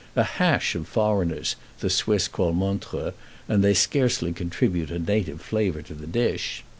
"A hash of foreigners," the Swiss call Montreux, and they scarcely contribute a native flavor to the dish.